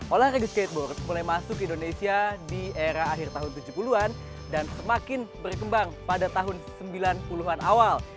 olahraga skateboard mulai masuk ke indonesia di era akhir tahun tujuh puluh an dan semakin berkembang pada tahun sembilan puluh an awal